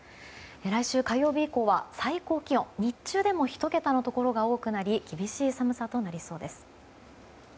来週火曜日以降は最高気温が日中でも１桁のところが多くなり厳しい寒さとなりそうです。